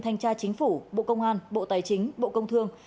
thanh tra chính phủ bộ công an bộ tài chính bộ công thương